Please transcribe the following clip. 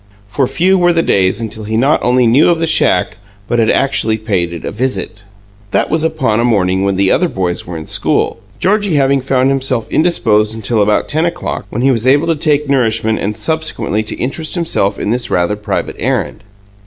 For few were the days until he not only knew of the shack but had actually paid it a visit. That was upon a morning when the other boys were in school, Georgie having found himself indisposed until about ten o'clock, when he was able to take nourishment and subsequently to interest himself in this rather private errand.